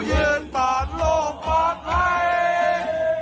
แฮปปี้เบิร์สเจทูยู